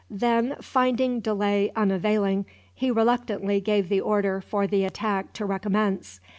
Then, finding delay unavailing, he reluctantly gave the order for the attack to recommence.